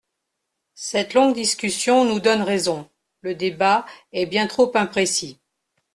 Cette longue discussion nous donne raison : le débat est bien trop imprécis.